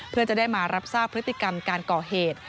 เพื่อจะได้มารับทราบพฤติกรรมการก่อเหตุ